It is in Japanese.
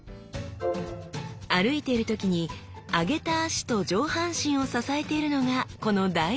歩いている時に上げた脚と上半身を支えているのがこの大臀筋。